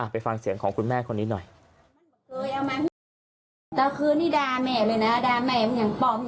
ไปฟังเสียงของคุณแม่คนนี้หน่อย